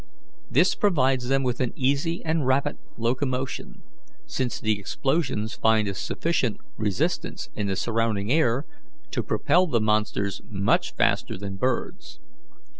This provides them with an easy and rapid locomotion, since the explosions find a sufficient resistance in the surrounding air to propel the monsters much faster than birds.